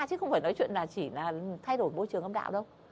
chứ không phải nói chuyện là chỉ là thay đổi môi trường âm đạo đâu